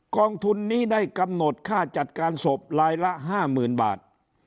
กองทุนนี้ได้กำหนดค่าจัดการศพลายละ๕๐๐๐บาท